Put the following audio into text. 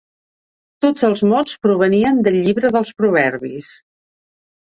Tots els mots provenien del Llibre dels Proverbis.